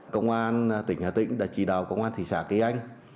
công an tỉnh hà tĩnh đã chỉ đào công an thị xã kỳ anh